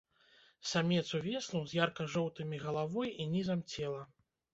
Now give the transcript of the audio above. Самец увесну з ярка-жоўтымі галавой і нізам цела.